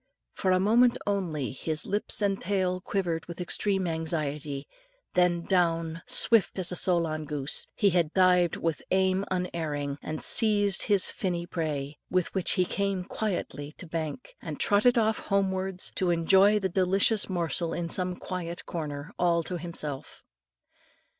For a moment only his lips and tail quivered with extreme anxiety, then down, swift as Solan goose, he had dived with aim unerring, and seized his finny prey, with which he came quietly to bank, and trotted off homewards, to enjoy the delicious morsel in some quiet corner all to himself.